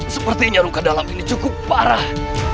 sepertinya luka dalam ini cukup parah